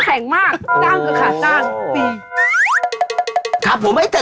อังแข่งมากจ้างกับขาดจ้างปี